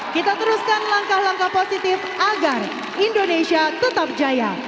kita teruskan langkah langkah positif agar indonesia tetap jaya